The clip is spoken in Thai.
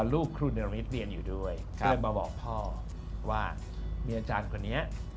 ลูกครูเนรวิทย์เรียนอยู่ด้วยก็เลยมาบอกพ่อว่ามีอาจารย์คนนี้